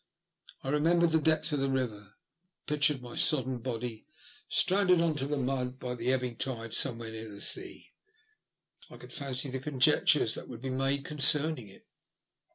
I remembered the depth of the river, and pictured my sodden body stranded on to the mud by the ebbing tide somewhere near the sea. I could fancy the conjectures that would be made concerning it.